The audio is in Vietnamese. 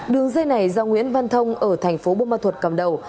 đường dây này do nguyễn văn thông ở thành phố bô ma thuật cầm đầu